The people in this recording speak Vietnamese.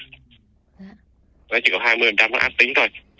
nó chỉ có hai mươi nó ác tính thôi